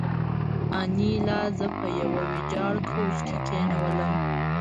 انیلا زه په یوه ویجاړ کوچ کې کېنولم